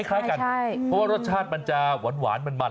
คล้ายกันเพราะว่ารสชาติมันจะหวานมัน